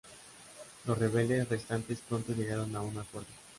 Los rebeldes restantes pronto llegaron a un acuerdo.